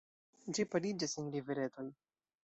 Ĝi pariĝas en riveretoj.